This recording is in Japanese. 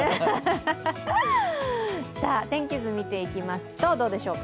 天気図を見ていきますと、どうでしょうか？